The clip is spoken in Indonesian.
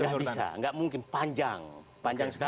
nggak bisa nggak mungkin panjang panjang sekali